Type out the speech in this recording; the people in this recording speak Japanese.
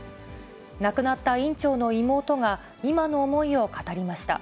亡くなった院長の妹が、今の思いを語りました。